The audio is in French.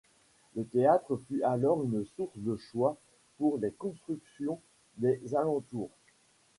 Le théâtre fut alors une source de choix pour les constructions des alentours.